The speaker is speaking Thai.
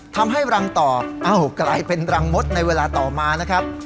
ทำให้รังต่อเอ้ากลายเป็นรังมดในเวลาต่อมานะครับ